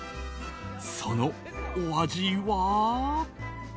そのお味は？